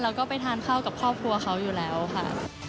เราก็ไปทานข้าวกับครอบครัวเขาอยู่แล้วค่ะ